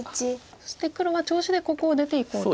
そして黒は調子でここを出ていこうと。